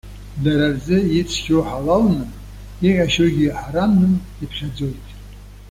Дара рзы ицқьоу ҳалалны, иҟьашьугьы ҳарамны иԥхьаӡоит.